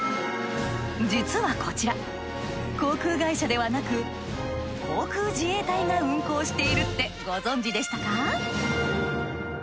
実はこちら航空会社ではなく航空自衛隊が運航しているってご存じでしたか？